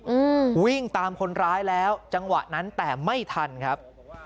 อืมวิ่งตามคนร้ายแล้วจังหวะนั้นแต่ไม่ทันครับ